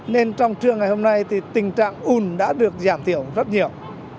nên trong trường ngày hôm nay thì tình trạng ủn đã được giảm thiểu rất nhiều